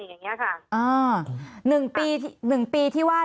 มันเป็นอาหารของพระราชา